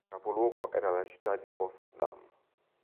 Capoluogo era la città di Potsdam.